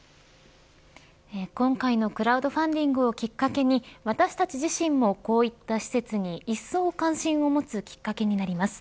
今回のクラウドファンディングをきっかけに私たち自身も、こういった施設にいっそう関心を持つきっかけになります。